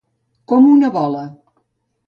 Com una bola.